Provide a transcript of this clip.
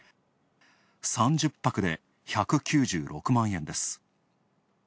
３０泊で１９６万円です。